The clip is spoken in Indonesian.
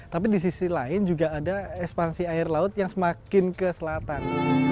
tapi di sisi lain juga ada ekspansi air laut yang semakin ke selatan